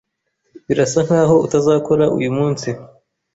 Birasa nkaho utazakora uyu munsi.